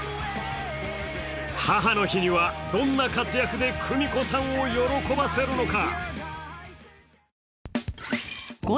母の日にはどんな活躍で久美子さんを喜ばせるのか。